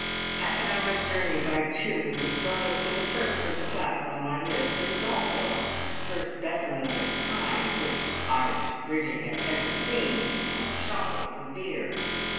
Half an hour's journey by tube brought us to the first of the flats on my list. It was also the first specimen of its kind which Irish Bridget had ever seen, and the shock was severe.